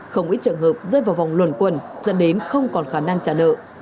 không ít trường hợp rơi vào vòng luẩn quần dẫn đến không còn khả năng trả nợ